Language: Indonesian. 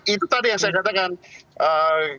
itu tadi yang saya katakan